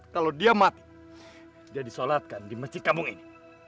kalau dia mati dia disolatkan di masjid kampung ini